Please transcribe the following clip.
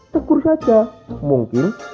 tekur saja mungkin